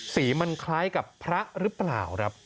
สีมันคล้ายกับพระหรือเปล่าครับ